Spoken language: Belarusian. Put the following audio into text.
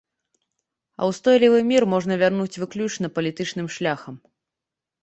А ўстойлівы мір можна вярнуць выключна палітычным шляхам.